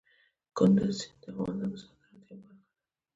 کندز سیند د افغانستان د صادراتو یوه برخه ده.